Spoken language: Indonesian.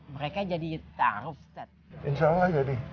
mereka jadi taruh